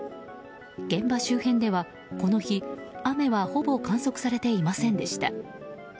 現場周辺では、この日雨はほぼ観測されていませんでした。